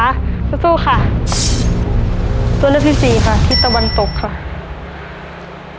ตัวเลือดที่สี่ค่ะทิศตะวันตกค่ะ